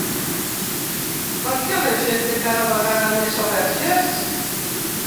Per què la gent té cada vegada més al·lèrgies?